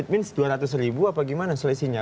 it means dua ratus apa gimana selisihnya